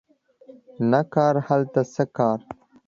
نه کار هلته څه کار